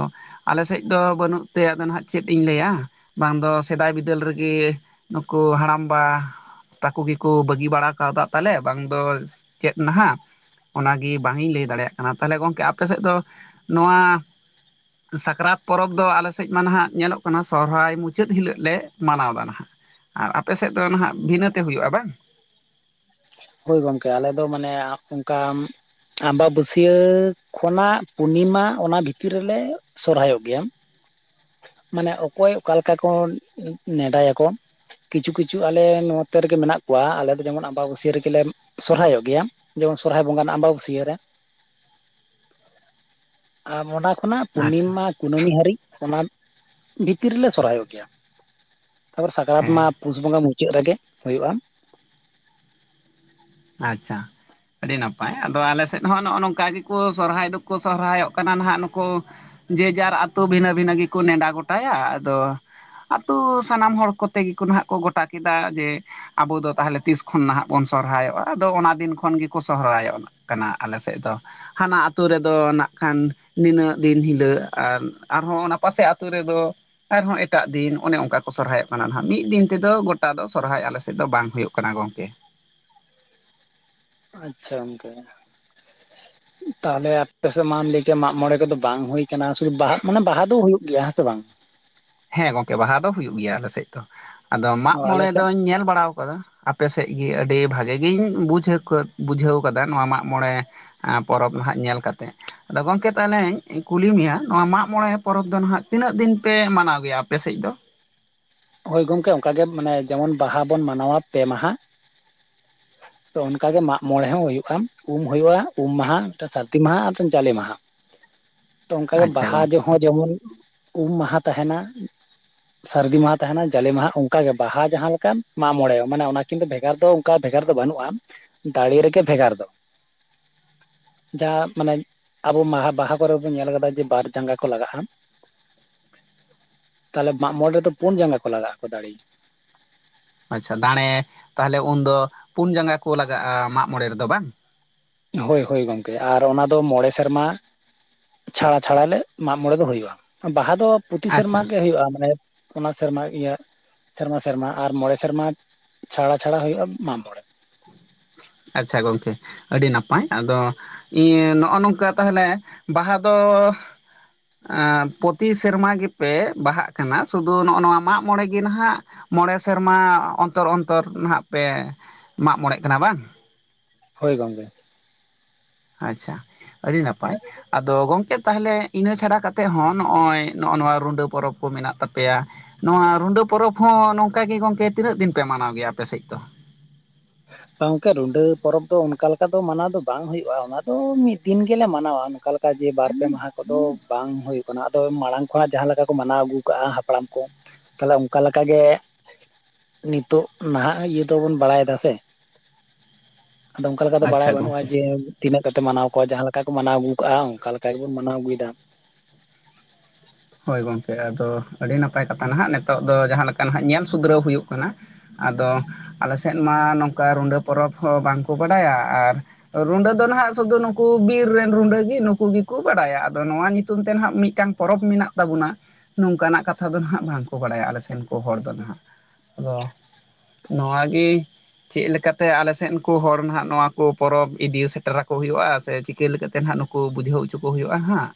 ᱟᱞᱮ ᱥᱮᱫ ᱫᱚ ᱵᱟᱹᱱᱩᱜ ᱛᱮ ᱟᱫᱚ ᱱᱦᱟᱸᱜ ᱪᱮᱫ ᱤᱧ ᱞᱟᱹᱭᱟ ᱵᱟᱝ ᱫᱚ ᱥᱮᱫᱟᱭ ᱵᱤᱫᱟᱹᱞ ᱨᱮᱜᱤ ᱱᱩᱠᱩ ᱦᱟᱲᱟᱢᱵᱟ ᱛᱟᱠᱩ ᱜᱮᱠᱩ ᱵᱟᱹᱜᱤ ᱵᱟᱲᱟ ᱠᱟᱣᱫᱟ ᱛᱟᱞᱮ ᱵᱟᱝ ᱫᱚ ᱪᱮᱫ ᱱᱟᱦᱟᱜ ᱚᱱᱟᱜᱮ ᱵᱟᱝ ᱤᱧ ᱞᱟᱹᱭ ᱫᱟᱲᱮᱭᱟᱜ ᱠᱟᱱᱟ ᱛᱟᱞᱦᱮ ᱜᱚᱝᱠᱮ ᱟᱯᱮ ᱥᱮᱫ ᱫᱚ ᱱᱚᱣᱟ ᱥᱟᱠᱨᱟᱛ ᱯᱚᱨᱚᱵᱽ ᱫᱚ ᱟᱞᱮ ᱥᱮᱫ ᱢᱟ ᱱᱟᱦᱟᱜ ᱧᱮᱞᱚᱜ ᱠᱟᱱᱟ ᱥᱨᱦᱟᱭ ᱢᱩᱪᱟᱹᱫ ᱦᱤᱞᱳᱜ ᱞᱮ ᱢᱟᱱᱟᱣᱫᱟ ᱱᱷᱟᱜ ᱟᱨ ᱟᱯᱮ ᱥᱮᱫ ᱫᱚ ᱱᱟᱦᱟᱜ ᱵᱷᱤᱱᱟᱹᱛᱮ ᱦᱩᱭᱩᱜᱼᱟ ᱵᱟᱝ? ᱦᱳᱭ ᱜᱚᱝᱠᱮ ᱟᱞᱮ ᱫᱚ ᱢᱟᱱᱮ ᱟᱯ ᱚᱝᱠᱟ ᱟᱢᱵᱟᱵᱟᱹᱥᱭᱟᱹ ᱠᱷᱚᱱᱟᱜ ᱯᱩᱨᱱᱤᱢᱟ ᱚᱱᱟ ᱵᱷᱤᱛᱤᱨ ᱨᱮᱞᱮ ᱥᱚᱨᱦᱟᱭᱚᱜ ᱜᱮᱭᱟ ᱢᱟᱱᱮ ᱚᱠᱚᱭ ᱚᱠᱟᱞᱮᱠᱟ ᱠᱚ ᱱᱮᱰᱟᱭᱟᱠᱚ ᱠᱤᱪᱷᱩ ᱠᱤᱪᱷᱩ ᱟᱞᱮ ᱱᱚᱛᱮ ᱨᱮᱜᱮ ᱢᱮᱱᱟᱜ ᱠᱚᱣᱟ ᱟᱞᱮ ᱫᱚ ᱡᱮᱢᱚᱱ ᱟᱸᱵᱟᱵᱟᱹᱥᱭᱟᱹ ᱨᱮᱜᱮ ᱠᱞᱮᱢ ᱥᱚᱨᱦᱟᱭ-ᱚᱜ ᱜᱮᱭᱟ ᱡᱮᱢᱚᱱ ᱥᱚᱨᱦᱟᱭ ᱵᱚᱸᱜᱟ ᱨᱮᱱᱟᱜ ᱟᱢᱵᱟᱵᱟᱹᱥᱭᱟᱹ ᱨᱮ ᱟᱨ ᱚᱱᱟ ᱠᱷᱚᱱᱟᱜ ᱟᱪᱪᱷᱟ ᱯᱩᱱᱱᱤᱢᱟ ᱠᱩᱱᱟᱹᱢᱤ ᱦᱟᱹᱨᱤᱡ ᱚᱱᱟ ᱵᱷᱤᱛᱤᱨ ᱨᱮᱞᱮ ᱥᱚᱨᱦᱟᱭ-ᱚᱜ ᱜᱮᱭᱟ ᱛᱟᱯᱚᱨ ᱥᱟᱠᱨᱟᱛ ᱢᱟ ᱦᱮᱸ ᱯᱩᱥ ᱵᱚᱸᱜᱟ ᱢᱩᱪᱟᱹᱫ ᱨᱮᱜᱮ ᱦᱩᱭᱩᱜᱼᱟ ᱟᱪᱪᱷᱟ ᱟᱹᱰᱤ ᱱᱟᱯᱟᱭ ᱟᱫᱚ ᱟᱞᱮ ᱥᱮᱫ ᱦᱚᱸ ᱱᱚᱜᱼᱚ ᱱᱚᱝᱠᱟ ᱜᱮᱠᱚ ᱥᱚᱨᱦᱟᱭ ᱫᱩᱠᱩ ᱥᱚᱨᱦᱟᱭ-ᱚᱜ ᱠᱟᱱᱟ ᱱᱟᱦᱜ ᱱᱩᱠᱩ ᱼᱼ ᱡᱮᱡᱟᱨ ᱟᱛᱳ ᱵᱷᱤᱱᱟᱹ ᱵᱷᱤᱱᱟᱹ ᱜᱮᱠᱚ ᱱᱮᱰᱟ ᱜᱚᱴᱟᱭᱟ᱾ ᱟᱫᱚ ᱼᱼ ᱟᱛᱩ ᱥᱟᱱᱟᱢ ᱦᱚᱲ ᱠᱚᱛᱮ ᱜᱮᱠᱚ ᱱᱟᱦᱜ ᱠᱚ ᱜᱚᱴᱟ ᱠᱮᱫᱟ ᱡᱮ ᱼᱼ ᱟᱵᱚ ᱫᱚ ᱛᱟᱦᱞᱮ ᱛᱤᱥ ᱠᱷᱚᱱ ᱱᱟᱦᱟᱜ ᱵᱚᱱ ᱥᱚᱨᱦᱟᱭ ᱚᱜᱼᱟ? ᱟᱫᱚ ᱚᱱᱟ ᱫᱤᱱ ᱠᱷᱚᱱ ᱜᱮᱠᱚ ᱥᱚᱦᱚᱨᱟᱭ-ᱚᱜ ᱠᱟᱱᱟ ᱟᱞᱮᱥᱮᱱ ᱫᱚ। ᱦᱟᱱᱟ ᱟᱹᱛᱩᱳ ᱨᱮᱫᱚ ᱱᱟᱜ ᱠᱷᱟᱱ ᱱᱤᱱᱟᱹᱜ ᱫᱤᱱ ᱦᱤᱞᱳᱜ ᱟᱨ ᱟᱨᱦᱚᱸ ᱚᱱᱟ ᱯᱟᱥᱮ ᱟᱹᱛᱩ ᱨᱮᱫᱚ ᱼᱼ ᱟᱨᱦᱚᱸ ᱮᱴᱟᱜ ᱫᱤᱱ ᱚᱱᱮ ᱚᱱᱠᱟ ᱠᱚ ᱥᱚᱨᱦᱟᱭ-ᱚᱜ ᱠᱟᱱᱟ ᱱᱦᱟᱜ ᱢᱤᱫ ᱫᱤᱱ ᱛᱮᱫᱚ ᱜᱚᱴᱟ ᱫᱚ ᱥᱚᱨᱦᱟᱭ ᱟᱞᱮ ᱥᱮᱫ ᱫᱚ ᱵᱟᱝ ᱦᱩᱭᱩᱜ ᱼᱼ ᱠᱟᱱᱟ ᱜᱚᱝᱠᱮ। ᱟᱪᱪᱷᱟ ᱜᱚᱝᱠᱮ ᱛᱟᱦᱟᱞᱮ ᱟᱯᱮ ᱥᱮᱫ ᱢᱟᱢ ᱞᱟᱹᱭᱠᱮᱭᱟ ᱢᱟᱜ ᱢᱚᱲᱮ ᱠᱚᱫᱚ ᱵᱟᱝ ᱦᱩᱭ ᱠᱟᱱᱟ ᱥᱩᱫᱩ ᱵᱟᱦᱟᱜ ᱢᱟᱱᱮ ᱵᱟᱦᱟ ᱫᱚ ᱦᱩᱭᱩᱜ ᱜᱮᱭᱟ ᱦᱮᱸᱥᱮ ᱵᱟᱝ। ᱦᱮᱸ ᱜᱚᱝᱠᱮ ᱵᱟᱦᱟ ᱫᱚ ᱦᱩᱭᱩᱜ ᱜᱮᱭᱟ ᱟᱞᱮ ᱥᱮᱫ ᱫᱚ ᱟᱫᱚ ᱢᱟᱜ ᱚ ᱟᱞᱮ ᱢᱚᱬᱮ ᱥᱮᱫ ᱫᱚᱧ ᱧᱮᱞ ᱵᱟᱲᱟᱣ ᱼᱼ ᱟᱠᱟᱫᱟ [inaudible] ᱟᱯᱮ ᱥᱮᱫ ᱜᱤ ᱟᱹᱰᱤ ᱵᱷᱟᱜᱮ ᱜᱤᱧ ᱵᱩᱡᱷᱟᱹᱠᱟᱹ ᱵᱩᱡᱷᱟᱹᱣ ᱠᱟᱫᱟ ᱱᱚᱣᱟ ᱢᱟᱜᱽᱢᱚᱬᱮ ᱟ ᱯᱚᱨᱚᱵᱽ ᱱᱟᱷᱟᱜ ᱧᱮᱞ ᱠᱟᱛᱮ ᱟᱫᱚ ᱜᱚᱝᱠᱮ ᱛᱟᱦᱞᱮᱧ ᱠᱩᱞᱤ ᱢᱮᱭᱟ ᱱᱚᱣᱟ ᱢᱟᱜᱽ ᱢᱚᱬᱮ ᱯᱚᱨᱚᱵᱽ ᱫᱚ ᱱᱷᱟᱜ ᱛᱤᱱᱟᱹᱜ ᱫᱤᱱ ᱯᱮ ᱢᱟᱱᱟᱣ ᱜᱮᱭᱟ ᱟᱯᱮ ᱥᱮᱡ ᱫᱚ? ᱦᱳᱭ ᱜᱚᱝᱠᱮ ᱚᱱᱠᱟᱜ ᱜᱮ ᱢᱟᱱᱮ ᱡᱮᱢᱚᱱ ᱵᱟᱦᱟ ᱵᱚᱱ ᱢᱟᱱᱟᱣ-ᱟ ᱯᱮ ᱢᱟᱦᱟ। ᱛᱚ ᱚᱱᱠᱟᱜ ᱜᱮ ᱢᱟᱜ ᱢᱚᱬᱮ ᱦᱚᱸ ᱦᱩᱭᱩᱜᱼᱟ ᱩᱢ ᱦᱩᱭᱩᱜᱼᱟ ᱩᱢ ᱢᱟᱦᱟ ᱢᱤᱫᱴᱟᱝ [inaudible] ᱥᱟᱨᱫᱤ ᱢᱟᱦᱟ ᱟᱨ ᱢᱤᱫᱴᱟᱝ [inaudible] ᱡᱟᱞᱮ ᱢᱟᱦᱟ। ᱛᱚ ᱚᱱᱠᱟᱜᱮ ᱟᱪᱪᱷᱟ ᱵᱟᱦᱟ ᱜᱚᱝᱠᱮ ᱡᱮᱦᱚᱸ ᱡᱮᱢᱚᱱ ᱩᱢ ᱢᱟᱦᱟ ᱛᱟᱦᱮᱱᱟ᱾ ᱥᱟᱹᱨᱫᱤ ᱢᱟᱦᱟᱸ ᱛᱟᱦᱮᱱᱟ ᱡᱟᱞᱮ ᱢᱟᱦᱟᱸ ᱚᱱᱠᱟᱜᱮ ᱵᱟᱦᱟ ᱡᱟᱦᱟᱸ ᱞᱮᱠᱟᱱ ᱢᱟᱜ ᱢᱚᱬᱮ ᱢᱟᱱᱮ ᱚᱱᱟ ᱠᱤᱱᱛᱩ ᱵᱷᱮᱜᱟᱨ ᱫᱚ ᱚᱱᱠᱟ ᱵᱷᱮᱜᱟᱨ ᱼᱼ ᱫᱚ ᱵᱟᱹᱱᱩᱜᱼᱟ ᱫᱟᱲᱮ ᱨᱮᱜᱮ ᱵᱷᱮᱜᱟᱨ ᱫᱚ। ᱡᱟᱦᱟᱸ ᱢᱟᱱᱮ ᱟᱵᱚ ᱢᱟᱦᱟ ᱵᱟᱦᱟ ᱠᱚᱨᱮ ᱵᱚᱱ ᱧᱮᱞ ᱠᱟᱫᱟ ᱡᱮ ᱵᱟᱨ ᱡᱟᱸᱜᱟ ᱠᱚ ᱞᱟᱜᱟᱜᱼᱟ। ᱛᱟᱞᱦᱮ ᱢᱟᱜ ᱢᱚᱬᱮ ᱨᱮᱫᱚ ᱯᱩᱱ ᱡᱟᱸᱜᱟ ᱠᱚ ᱞᱟᱜᱟᱜᱼᱟᱠᱚ ᱫᱟᱲᱮ। ᱟᱪᱪᱷᱟ ᱫᱟᱸᱲᱮ ᱛᱟᱦᱟᱞᱮ ᱩᱱᱫᱚ ᱯᱩᱱ ᱡᱟᱸᱜᱟ ᱠᱚ ᱞᱟᱜᱟᱜᱼᱟ ᱢᱟᱜ ᱢᱚᱬᱮ ᱨᱮᱫᱚ ᱵᱟᱝ? ᱦᱳᱭ ᱦᱳᱭ ᱜᱚᱢᱠᱮ ᱟᱨ ᱚᱱᱟᱫᱚ ᱢᱚᱬᱮ ᱥᱮᱨᱢᱟ ᱼᱼ ᱪᱷᱟᱲᱟ ᱪᱷᱟᱲᱟᱞᱮ ᱢᱟᱜ ᱢᱚᱬᱮ ᱫᱚ ᱦᱩᱭᱩᱜᱼᱟ᱾ ᱵᱟᱦᱟ ᱫᱚ ᱯᱨᱚᱛᱤ ᱥᱮᱨᱢᱟ ᱟᱪᱪᱷᱟ ᱜᱮ ᱦᱩᱭᱩᱜᱼᱟ᱾ ᱢᱟᱱᱮ ᱼᱼ ᱚᱱᱟ ᱥᱮᱨᱢᱟ ᱤᱭᱟᱹ ᱥᱮᱨᱢᱟ ᱥᱮᱨᱢᱟ ᱟᱨ ᱢᱚᱬᱮ ᱥᱮᱨᱢᱟ ᱪᱷᱟᱲᱟ ᱪᱷᱟᱲᱟ ᱦᱩᱭᱩᱜᱼᱟ ᱢᱟᱜ ᱢᱚᱬᱮ। [inaudible] ᱟᱪᱪᱷᱟ ᱜᱚᱢᱠᱮ ᱟᱹᱰᱤ ᱱᱟᱯᱟᱭ᱾ ᱟᱫᱚ ᱼᱼ ᱤᱭᱟᱹ ᱱᱚᱜᱼᱚ ᱱᱚᱝᱠᱟ ᱛᱟᱦᱟᱞᱮ ᱵᱟᱦᱟ ᱫᱚ ᱼᱼ ᱟᱸ ᱯᱨᱚᱛᱤ ᱥᱮᱨᱢᱟ ᱜᱮᱯᱮ ᱵᱟᱦᱟᱜ ᱠᱟᱱᱟ ᱥᱩᱫᱷᱩ ᱱᱚᱜᱼᱚ ᱱᱚᱣᱟ ᱢᱟᱜ ᱢᱚᱬᱮ ᱜᱮ ᱱᱟᱦᱟᱸᱜ ᱼᱼ ᱢᱚᱬᱮ ᱥᱮᱨᱢᱟ ᱚᱱᱛᱚᱨ ᱚᱱᱛᱚᱨ ᱱᱟᱦᱟᱸᱜ ᱯᱮ ᱢᱟᱜ ᱢᱚᱬᱮᱜ ᱠᱟᱱᱟ ᱵᱟᱝ? ᱦᱳᱭ ᱜᱚᱝᱠᱮ ᱟᱪᱪᱷᱟ ᱟᱹᱰᱤ ᱱᱟᱯᱟᱭ। ᱟᱫᱚ ᱜᱚᱢᱠᱮ ᱛᱟᱦᱟᱞᱮ ᱤᱱᱟᱹ ᱪᱷᱟᱲᱟ ᱠᱟᱛᱮᱫ ᱦᱚᱸ ᱱᱚᱜᱼᱚᱭ ᱱᱚᱜᱼᱚ ᱱᱚᱣᱟ ᱨᱩᱰᱟᱹ ᱯᱚᱨᱚᱵᱽ ᱠᱚ ᱢᱮᱱᱟᱜ ᱛᱟᱯᱮᱭᱟ᱾ ᱱᱚᱣᱟ ᱨᱩᱰᱟᱹ ᱯᱚᱨᱚᱵᱽ ᱦᱚᱸ ᱱᱚᱝᱠᱟ ᱜᱮ ᱜᱚᱝᱠᱮ ᱛᱤᱱᱟᱹᱜ ᱫᱤᱱ ᱯᱮ ᱢᱟᱱᱟᱣ ᱜᱮᱭᱟ ᱟᱯᱮ ᱥᱮᱫ ᱫᱚ? ᱜᱚᱝᱠᱮ ᱨᱩᱰᱟᱹ ᱯᱚᱨᱚᱵᱽ ᱫᱚ ᱚᱱᱠᱟ ᱞᱮᱠᱟ ᱫᱚ ᱢᱟᱱᱟᱣ ᱫᱚ ᱵᱟᱝ ᱦᱩᱭᱩᱜᱼᱟ ᱚᱱᱟ ᱫᱚ ᱢᱤᱫ ᱫᱤᱱ ᱜᱮᱞᱮ ᱢᱟᱱᱟᱣᱟ ᱚᱱᱠᱟ ᱼᱼ ᱞᱮᱠᱟ [inaudible] ᱚᱱᱠᱟ ᱡᱮ ᱵᱟᱨ ᱯᱮ ᱢᱟᱦᱟ ᱠᱚᱫᱚ ᱵᱟᱝ ᱦᱩᱭ ᱠᱟᱱᱟ ᱟᱫᱚ ᱢᱟᱲᱟᱝ ᱠᱷᱚᱱᱟᱜ ᱡᱟᱦᱟᱸ ᱞᱮᱠᱟ ᱠᱚ ᱢᱟᱱᱟᱣ ᱟᱹᱜᱩ ᱠᱟᱜᱼᱟ᱾ ᱦᱟᱯᱲᱟᱢ ᱠᱚ। ᱛᱟᱦᱟᱞᱮ ᱚᱱᱠᱟ ᱞᱮᱠᱟ ᱜᱮ ᱱᱤᱛᱚᱜ ᱱᱟᱦᱟᱸᱜ ᱤᱭᱟᱹ ᱫᱚᱵᱚᱱ ᱵᱟᱲᱟᱭ ᱮᱫᱟ ᱥᱮ? ᱟᱫᱚ ᱚᱱᱠᱟ ᱫᱚ ᱵᱟᱲᱟᱭ ᱟᱪᱪᱷᱟ ᱵᱟᱹᱱᱩᱜᱼᱟ ᱜᱚᱝᱠᱮ ᱡᱮ ᱼᱼ ᱛᱤᱱᱟᱹᱜ ᱠᱟᱛᱮ ᱢᱟᱱᱟᱣ ᱠᱚᱣᱟ ᱡᱟᱦᱟᱸ ᱞᱮᱠᱟ ᱠᱚ ᱢᱟᱱᱟᱣ ᱟᱹᱜᱩ ᱠᱟᱜᱼᱟ ᱚᱱᱠᱟ ᱞᱮᱠᱟ ᱜᱮᱵᱚᱱ ᱢᱟᱱᱟᱣ ᱟᱹᱜᱩᱭᱮᱫᱟ। ᱦᱳᱭ ᱜᱚᱢᱠᱮ ᱟᱫᱚ ᱟᱹᱰᱤ ᱱᱟᱯᱟᱭ ᱠᱟᱛᱷᱟ ᱱᱟᱦᱟᱸᱜ ᱱᱤᱛᱚᱜ ᱫᱚ ᱡᱟᱦᱟᱸ ᱞᱮᱠᱟ ᱱᱟᱦᱟᱸᱜ ᱧᱮᱞ ᱥᱩᱫᱷᱨᱟᱹᱣ ᱦᱩᱭᱩᱜ ᱠᱟᱱᱟ᱾ ᱟᱫᱚ ᱟᱞᱮ ᱥᱮᱫ ᱢᱟ ᱱᱚᱝᱠᱟ ᱨᱩᱰᱟᱹ ᱯᱚᱨᱚᱵᱽ ᱦᱚᱸ ᱵᱟᱝᱠᱚ ᱵᱟᱰᱟᱭᱟ᱾ ᱟᱨ ᱼᱼ ᱨᱩᱸᱰᱟᱹ ᱫᱚ ᱱᱟᱦᱟᱸᱜ ᱥᱩᱫᱩ ᱱᱩᱠᱩ ᱵᱤᱨ ᱨᱮᱱ ᱨᱩᱰᱟᱹ ᱜᱮ ᱱᱩᱠᱩ ᱜᱮᱠᱚ ᱵᱟᱲᱟᱭᱟ᱾ ᱟᱫᱚ ᱱᱚᱣᱟ ᱧᱩᱛᱩᱢ ᱛᱮ ᱱᱟᱦᱟᱸᱜ ᱢᱤᱫᱴᱟᱝ ᱼᱼ ᱯᱚᱨᱚᱵᱽ ᱢᱮᱱᱟᱜ ᱼᱼ ᱛᱟᱵᱚᱱᱟ ᱱᱚᱝᱠᱟᱱᱟᱜ ᱠᱟᱛᱷᱟ ᱫᱚ ᱱᱟᱦᱟᱸᱜ ᱵᱟᱝᱠᱚ ᱵᱟᱲᱟᱭᱟ ᱟᱞᱮ ᱥᱮᱱ ᱠᱚ ᱦᱚᱲ ᱫᱚ ᱱᱟᱦᱟᱸᱜ᱾ ᱟᱫᱚ ᱼᱼ ᱱᱚᱣᱟ ᱜᱮ ᱼᱼ ᱪᱮᱫ ᱞᱮᱠᱟᱛᱮ ᱟᱞᱮ ᱥᱮᱫ ᱠᱚ ᱦᱚᱲ ᱱᱟᱦᱟᱸᱜ ᱱᱚᱣᱟ ᱠᱚ ᱯᱚᱨᱚᱵᱽ ᱤᱫᱤ ᱥᱮᱴᱮᱨᱟᱠᱚ ᱦᱩᱭᱩᱜᱼᱟ? ᱥᱮ ᱪᱤᱠᱟᱹ ᱞᱮᱠᱟ ᱛᱮ ᱱᱟᱦᱟᱸᱜ ᱼᱼ ᱱᱩᱠᱩ [inaudible] ᱠᱚ ᱵᱩᱡᱷᱟᱹᱣ ᱦᱚᱪᱚ ᱠᱚ ᱦᱩᱭᱩᱜᱼᱟ ᱦᱟᱸᱜ।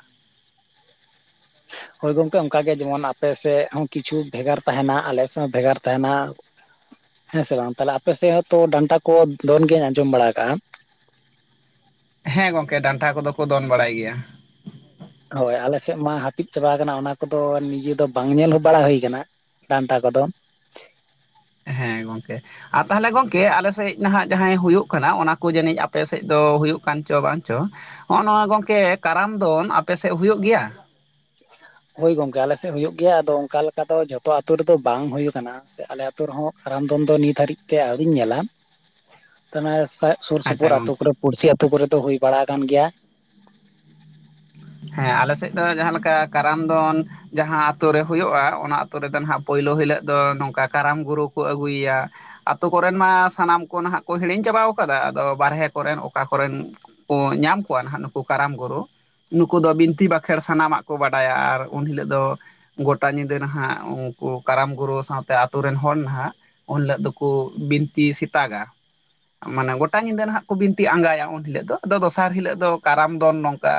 ᱦᱳᱭ ᱜᱚᱝᱠᱮ ᱚᱱᱠᱟᱜ ᱜᱮ ᱡᱮᱢᱚᱱ ᱟᱯᱮ ᱥᱮᱫ ᱦᱚᱸ ᱠᱤᱪᱷᱩ ᱵᱷᱮᱜᱟᱨ ᱛᱟᱦᱮᱱᱟ ᱟᱞᱮ ᱥᱮᱫ ᱦᱚᱸ ᱵᱷᱮᱜᱟᱨ ᱛᱟᱦᱮᱱᱟ᱾ ᱦᱮᱸ ᱥᱮ ᱵᱟᱝ ᱛᱟᱦᱟᱞᱮ ᱟᱯᱮᱥᱮᱫ ᱦᱚᱸ ᱛᱚ ᱰᱟᱱᱴᱟ ᱠᱚ ᱫᱚᱱ ᱜᱮᱭᱟᱧ ᱟᱸᱡᱚᱢ ᱵᱟᱲᱟ ᱠᱟᱜᱼᱟ। ᱦᱮᱸ ᱜᱚᱝᱠᱮ ᱰᱟᱱᱴᱟ ᱠᱚᱫᱚ ᱠᱚ ᱫᱚᱱ ᱵᱟᱲᱟᱭ ᱜᱮᱭᱟ। ᱦᱳᱭ ᱟᱞᱮᱥᱮᱫ ᱢᱟ ᱦᱟᱹᱯᱤᱫ ᱪᱟᱵᱟ ᱟᱠᱟᱱᱟ ᱚᱱᱟ ᱠᱚᱫᱚ ᱱᱤᱡᱮ ᱫᱚ ᱵᱟᱝ ᱧᱮᱞ ᱦᱚᱸ ᱵᱟᱲᱟ ᱦᱩᱭ ᱠᱟᱱᱟ। ᱰᱟᱱᱴᱟ ᱠᱚᱫᱚ ᱦᱮᱸ ᱜᱚᱝᱠᱮ ᱟᱨ ᱛᱟᱦᱚᱞᱮ ᱜᱚᱢᱠᱮ ᱟᱞᱮ ᱥᱮᱫ ᱱᱟᱦᱟᱸᱜ ᱡᱟᱦᱟᱸᱭ ᱦᱩᱭᱩᱜ ᱠᱟᱱᱟ ᱚᱱᱟ ᱠᱚ ᱡᱟᱹᱱᱤᱡ ᱟᱯᱮ ᱥᱮᱫ ᱫᱚ ᱦᱩᱭᱩᱜ ᱠᱟᱱ ᱪᱚ ᱵᱟᱝ ᱪᱚ ᱦᱚᱸᱜᱼᱚ ᱱᱚᱣᱟ ᱜᱚᱝᱠᱮ ᱠᱟᱨᱟᱢ ᱫᱚᱱ ᱟᱯᱮ ᱥᱮᱫ ᱦᱩᱭᱩᱜ ᱜᱮᱭᱟ ᱦᱳᱭ ᱜᱚᱝᱠᱮ ᱟᱞᱮᱥᱮᱫ ᱦᱳᱭᱳᱜ ᱜᱮᱭᱟ ᱟᱫᱚ ᱚᱱᱠᱟ ᱞᱮᱠᱟ ᱫᱚ ᱡᱚᱛᱚ ᱟᱛᱳ ᱨᱮᱫᱚ ᱵᱟᱝ ᱦᱳ ᱟᱠᱟᱱᱟ ᱥᱮ ᱟᱞᱮ ᱟᱛᱳ ᱨᱮᱦᱚᱸ ᱠᱟᱨᱟᱢ ᱫᱚᱱ ᱫᱚ ᱱᱤᱛ ᱦᱟᱹᱨᱤᱡ ᱛᱮ ᱟᱹᱣᱨᱤᱧ ᱧᱮᱞᱟ [unintelligible] ᱥᱩᱨ ᱟᱪᱪᱷᱟ ᱥᱩᱯᱩᱨ ᱜᱚᱝᱠᱮ ᱟᱛᱳ ᱠᱚᱨᱮ ᱯᱩᱲᱥᱤ ᱟᱛᱳ ᱠᱚᱨᱮᱫ ᱫᱚ ᱦᱩᱭ ᱵᱟᱲᱟ ᱟᱠᱟᱱ ᱜᱮᱭᱟ ᱦᱮᱸ ᱟᱞᱮ ᱥᱮᱫ ᱫᱚ ᱡᱟᱦᱟᱸ ᱞᱮᱠᱟ ᱠᱟᱨᱟᱢ ᱫᱚᱱ ᱡᱟᱦᱟᱸ ᱟᱛᱳ ᱨᱮ ᱦᱩᱭᱩᱜᱼᱟ ᱚᱱᱟ ᱟᱹᱛᱩ ᱨᱮᱫᱚ ᱱᱟᱦᱟᱸᱜ ᱯᱳᱭᱞᱳ ᱦᱤᱞᱳᱜ ᱫᱚ ᱱᱚᱝᱠᱟ ᱠᱟᱨᱟᱢ ᱜᱩᱨᱩ ᱠᱚ ᱟᱹᱜᱩᱭᱮᱭᱟ ᱟᱛᱳ ᱠᱚᱨᱮᱱ ᱢᱟ ᱥᱟᱱᱟᱢ ᱠᱚ ᱱᱷᱟᱜ ᱠᱚ ᱦᱤᱲᱤᱧ ᱪᱟᱵᱟᱣ ᱠᱟᱫᱟ᱾ ᱟᱫᱚ ᱵᱟᱨᱦᱮ ᱠᱚᱨᱮᱱ ᱚᱠᱟ ᱠᱚᱨᱮᱱ ᱼᱼ ᱠᱚ ᱧᱟᱢ ᱠᱚᱣᱟ ᱱᱟᱦᱟᱸᱜ ᱱᱩᱠᱩ ᱠᱟᱨᱟᱢ ᱜᱩᱨᱩ ᱱᱩᱠᱩ ᱫᱚ ᱵᱤᱱᱛᱤ ᱵᱟᱠᱷᱮᱲ ᱥᱟᱱᱟᱢᱟᱜ ᱠᱚ ᱵᱟᱰᱟᱭᱟ ᱟᱨ ᱩᱱ ᱦᱤᱞᱳᱜ ᱫᱚ ᱜᱚᱴᱟ ᱧᱤᱫᱟᱹ ᱱᱟᱦᱟᱸᱜ ᱩᱱᱠᱩ ᱠᱟᱨᱟᱢ ᱜᱩᱨᱩ ᱥᱟᱶᱛᱮ ᱟᱛᱳ ᱨᱮᱱ ᱦᱚᱲ ᱱᱟᱦᱟᱸᱜ ᱩᱱ ᱦᱤᱞᱟᱹᱜ ᱫᱚᱠᱚ ᱵᱤᱱᱛᱤ ᱥᱮᱛᱟᱜᱟ ᱢᱟᱱᱮ ᱜᱚᱴᱟ ᱧᱤᱫᱟᱹ ᱱᱟᱜ ᱠᱚ ᱵᱤᱱᱛᱤ ᱟᱸᱜᱟᱭᱟ ᱩᱱ ᱦᱤᱞᱳᱜ ᱫᱚ ᱟᱫᱚ ᱫᱚᱥᱟᱨ ᱦᱤᱞᱳᱜ ᱫᱚ ᱠᱟᱨᱟᱢ ᱫᱚᱱ ᱱᱚᱝᱠᱟ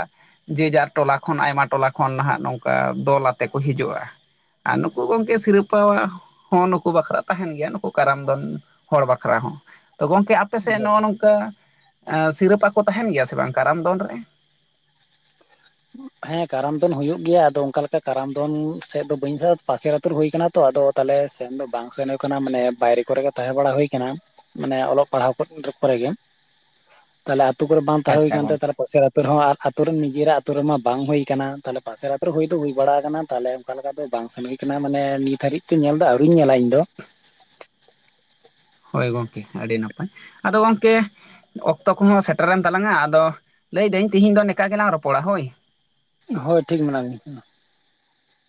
ᱡᱮ ᱡᱟᱨ ᱴᱚᱞᱟ ᱠᱷᱚᱱ ᱟᱭᱢᱟ ᱴᱚᱞᱟ ᱠᱷᱚᱱ ᱱᱟᱦᱟᱜ ᱱᱚᱝᱠᱟ ᱫᱚᱞ ᱟᱛᱮ ᱠᱚ ᱦᱤᱡᱩᱜᱼᱟ ᱟᱨ ᱱᱩᱠᱩ ᱜᱚᱝᱠᱮ ᱥᱤᱨᱯᱟᱣᱟ ᱦᱚᱸ ᱱᱩᱠᱩ ᱵᱟᱠᱷᱨᱟ ᱛᱟᱦᱮᱸᱱ ᱜᱮᱭᱟ ᱱᱩᱠᱩ ᱠᱟᱨᱟᱢ ᱫᱚᱱ ᱦᱚᱲ ᱵᱟᱠᱷᱨᱟ ᱦᱚᱸ ᱛᱚ ᱜᱚᱢᱠᱮ ᱟᱯᱮ ᱥᱮᱫ ᱱᱚᱜᱼᱚ ᱱᱚᱝᱠᱟ ᱥᱤᱨᱟᱹᱯᱟ ᱠᱚ ᱛᱟᱦᱮᱸᱱ ᱜᱮᱭᱟ ᱥᱮ ᱵᱟᱝ ᱠᱟᱨᱟᱢ ᱫᱚᱱ ᱨᱮ ᱦᱮᱸ ᱠᱟᱨᱟᱢ ᱫᱚᱱ ᱦᱩᱭᱩᱜ ᱜᱮᱭᱟ ᱟᱫᱚ ᱚᱱᱠᱟ ᱞᱮᱠᱟ ᱠᱟᱨᱟᱢ ᱫᱚᱱ ᱥᱮᱫ ᱫᱚ ᱵᱟᱹᱧ ᱯᱟᱥᱮᱨ ᱟᱹᱛᱩ ᱨᱮ ᱦᱩᱭ ᱟᱠᱟᱱᱟ ᱛᱚ ᱟᱫᱚ ᱛᱟᱦᱚᱞᱮ ᱥᱮᱱ ᱫᱚ ᱵᱟᱝ ᱥᱮᱱ ᱦᱳᱭ ᱟᱠᱟᱱᱟ ᱢᱟᱱᱮ ᱵᱟᱭᱨᱮ ᱠᱚᱨᱮ ᱜᱮ ᱛᱟᱦᱮᱸ ᱵᱟᱲᱟ ᱦᱩᱭ ᱟᱠᱟᱱᱟ ᱢᱟᱱᱮ ᱚᱞᱚᱜ ᱯᱟᱲᱦᱟᱜ ᱠᱚᱨᱮ ᱜᱮ ᱛᱟᱦᱚᱞᱮ ᱟᱛᱩ ᱠᱚᱨᱮ ᱵᱟᱝ ᱛᱟᱦᱮᱸ ᱟᱪᱪᱷᱟ ᱦᱩᱭᱠᱟᱱ ᱛᱮ ᱜᱚᱝᱠᱮ ᱛᱟᱦᱞᱮ ᱯᱟᱥᱮᱨ ᱟᱹᱛᱩ ᱨᱮᱦᱚᱸ ᱟᱨ ᱟᱹᱛᱩ ᱨᱮᱱ ᱱᱤᱡᱮᱨᱟᱜ ᱟᱹᱛᱩ ᱨᱮᱢᱟ ᱵᱟᱝ ᱦᱩᱭ ᱟᱠᱟᱱᱟ ᱛᱟᱦᱚᱞᱮ ᱯᱟᱥᱮᱨ ᱟᱛ ᱨᱮ ᱦᱩᱭ ᱫᱚ ᱦᱩᱭ ᱵᱟᱲᱟ ᱟᱠᱟᱱᱟ ᱛᱟᱦᱚᱞᱮ ᱚᱱᱠᱟ ᱞᱮᱠᱟ ᱫᱚ ᱵᱟᱝ ᱥᱮᱱ ᱦᱩᱭ ᱠᱟᱱᱟ ᱢᱟᱱᱮ ᱱᱤᱛ ᱦᱟᱹᱨᱤᱡ ᱧᱮᱞ ᱫᱚ ᱟᱹᱣᱨᱤᱧ ᱧᱮᱞᱟ ᱤᱧ ᱫᱚ ᱦᱳᱭ ᱜᱚᱢᱠᱮ ᱟᱹᱰᱤ ᱱᱟᱯᱟᱭ ᱟᱫᱚ ᱜᱚᱢᱠᱮ ᱚᱠᱛᱚ ᱠᱚᱦᱚᱸ ᱥᱮᱴᱨᱮᱱ ᱛᱟᱞᱟᱝᱼᱟ ᱟᱫᱚ ᱞᱟᱹᱭᱫᱟᱹᱧ ᱛᱮᱦᱤᱧ ᱫᱚ ᱱᱝᱠᱟ ᱜᱮᱞᱟᱝ ᱨᱚᱯᱚᱲᱟ ᱦᱳᱭ ᱦᱳᱭ ᱴᱷᱤᱠ ᱢᱮᱱᱟᱜ ᱞᱤᱧᱟ